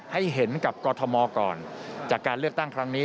ให้เห็นกับกรทมก่อนจากการเลือกตั้งครั้งนี้